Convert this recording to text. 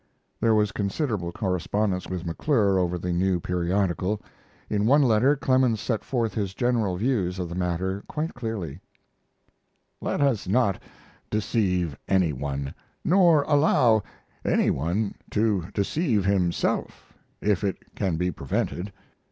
There was considerable correspondence with McClure over the new periodical. In one letter Clemens set forth his general views of the matter quite clearly: Let us not deceive any one, nor allow any one to deceive himself, if it can be prevented.